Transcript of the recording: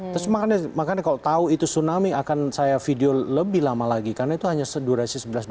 terus makanya kalau tahu itu tsunami akan saya video lebih lama lagi karena itu hanya durasi sebelas dua ribu